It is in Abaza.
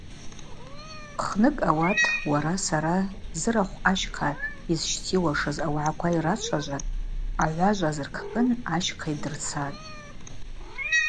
Пхныкӏ ауат уара, сара – зырахв ащхъа йызщтиуашыз ауагӏаква йрачважватӏ, агӏважв азыркӏкӏын ащхъа йдырцатӏ.